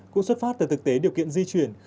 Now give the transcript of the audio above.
cũng xuất phát từ thực tế điều kiện di chuyển